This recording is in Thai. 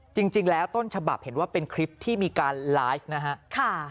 จริงแล้วต้นฉบับเห็นว่าเป็นคลิปที่มีการไลฟ์นะฮะ